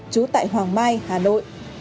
chú tại hoàng mai hà nội